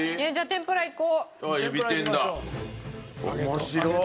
面白い！